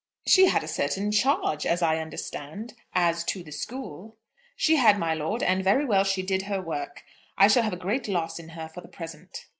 "She had a certain charge, as I understand, as to the school." "She had, my lord; and very well she did her work. I shall have a great loss in her, for the present."